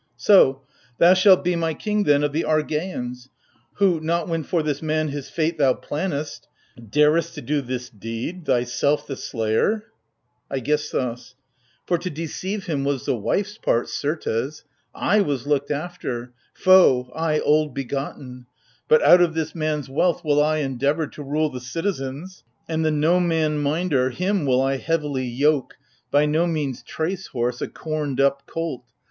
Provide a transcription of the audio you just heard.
So — thou shalt be my king then of the Argeians — Who, not when for this man his fate thou plannedst, Daredst to do this deed — thyself the slayer ! AIGISTHOS. For, to deceive him was the wife's part, certes :/ was looked after — foe, ay, old begotten ! AGAMEMNON. 143 But out of this man's wealth will I endeavour To rule the citizens : and the no man minder — Him will I heavily yoke — by no means trace horse, A corned up colt